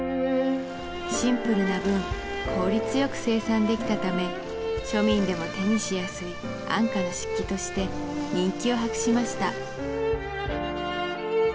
シンプルな分効率よく生産できたため庶民でも手にしやすい安価な漆器として人気を博しました